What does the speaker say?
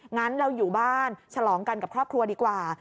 งั้นเราอยู่บ้านฉลองกันกับครอบครัวดีกว่า